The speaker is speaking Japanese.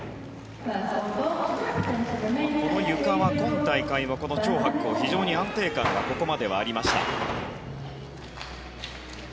このゆかは今大会のチョウ・ハクコウ非常に安定感がここまではありました。